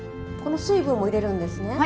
この水分も入れるんですね。